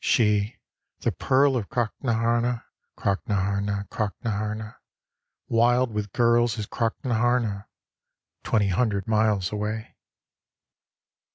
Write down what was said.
She, the pearl of Crocknahama, Crocknaharna, Crocknahama, Wild with girls is Crocknaharna Twenty hundred miles away.